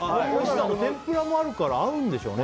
天ぷらも合うからいいんでしょうね